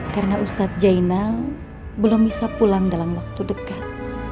karena ustadz jaina belum bisa pulang dalam waktu dekat